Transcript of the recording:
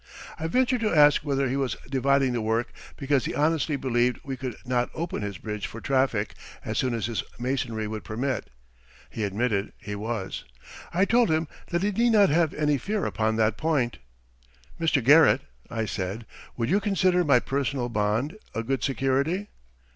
I ventured to ask whether he was dividing the work because he honestly believed we could not open his bridges for traffic as soon as his masonry would permit. He admitted he was. I told him that he need not have any fear upon that point. "Mr. Garrett," I said, "would you consider my personal bond a good security?"